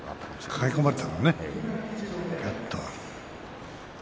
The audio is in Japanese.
抱え込まれたからねやっと。